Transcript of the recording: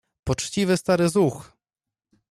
Poczciwy stary zuch!